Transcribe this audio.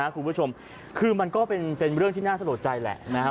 คุณผู้ชมคือมันก็เป็นเรื่องที่น่าสะดวกใจแหละ